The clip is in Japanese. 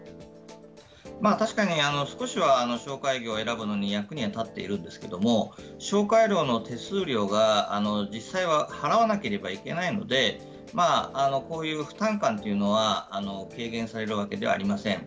確かに少しは紹介業を選ぶのに役には立っているんですけれども、紹介業の手数料が、実際は払わなければいけないので、こういう負担感というのは軽減されるわけではありません。